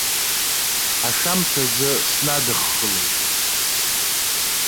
Ашамҭазы снадыххылеит.